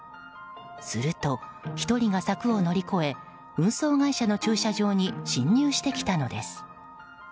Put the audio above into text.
すると、１人が柵を乗り越え運送会社の駐車場に侵入してきたのです。